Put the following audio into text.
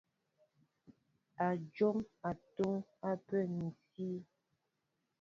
Ádyɔŋ atɔ́' á pɛ ni sí.